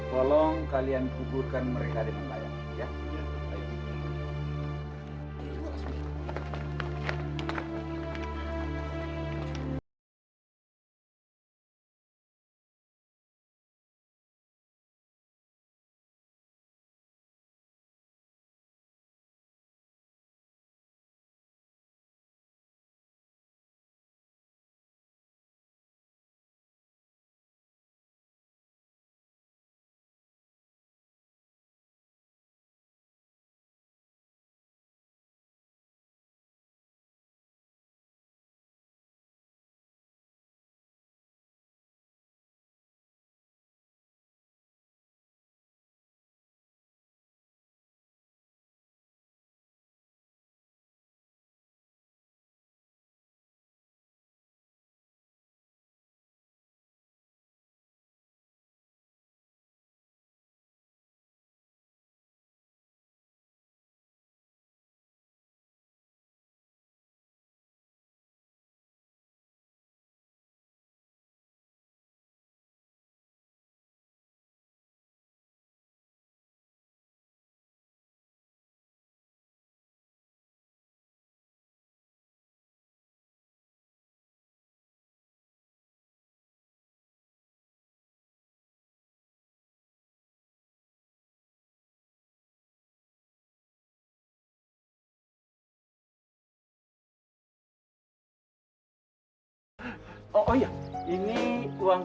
tolong kalian kuburkan mereka di melayang